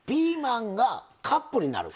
ピーマンがカップになる？